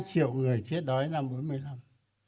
hai triệu người chết đói năm bốn mươi năm